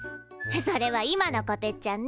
それは今のこてっちゃんね。